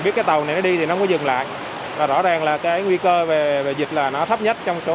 biết cái tàu này nó đi thì nó có dừng lại rõ ràng là cái nguy cơ về dịch là nó thấp nhất trong số